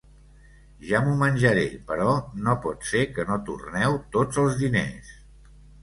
Ja m'ho menjaré, però no pot ser que no torneu tots els diners.